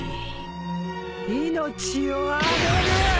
命をあげる。